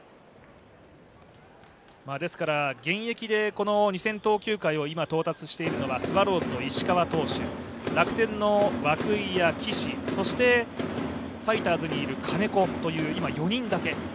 現役で２０００投球回に今、到達しているのはスワローズの石川投手、楽天の涌井や岸、そしてファイターズにいる金子という４人だけ。